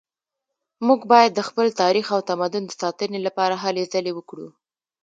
موږ باید د خپل تاریخ او تمدن د ساتنې لپاره هلې ځلې وکړو